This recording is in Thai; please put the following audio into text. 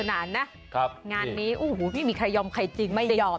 สนุกสนานนะงานนี้พี่มีใครยอมใครจริงไม่ยอมพี่มีใครยอมใครจริงไม่ยอม